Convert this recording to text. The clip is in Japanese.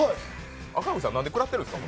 赤荻さん、なんでくらってるんですか？